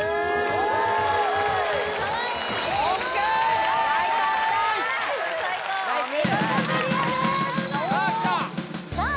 お見事クリアですおっさあ